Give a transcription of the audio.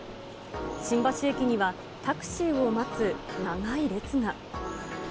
新橋駅にはタクシーを待つ長い列が。